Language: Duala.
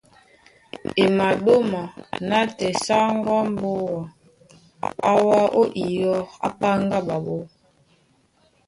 E maɗóma nátɛɛ sáŋgó á mbóa á wá ó iyɔ́, á páŋgá ɓaɓɔ́.